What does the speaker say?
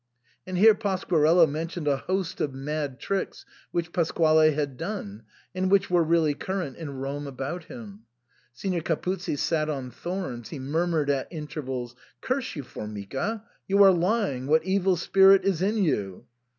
And here Pasquarello mentioned a host of mad tricks which Pasquale had done, and which were really current in Rome about him. Signor Capuzzi sat on thorns ; he murmured at intervals, " Curse you, Formica ! You are lying ! What evil spirit is in you